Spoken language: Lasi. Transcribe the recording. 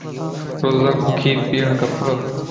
روزانو کير پيئڻ کپا